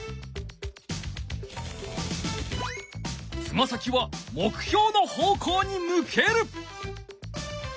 つま先は目標の方向に向ける。